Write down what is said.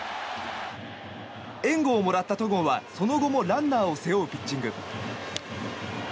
援護をもらった戸郷はその後もランナーを背負うピッチング。